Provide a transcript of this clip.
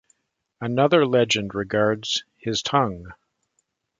Another legend regards his tongue.